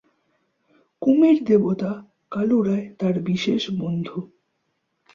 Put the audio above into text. কুমীর-দেবতা কালুরায় তার বিশেষ বন্ধু।